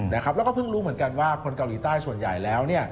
แล้วก็เพิ่งรู้เหมือนกันว่าคนเกาหลีใต้ส่วนใหญ่แล้ว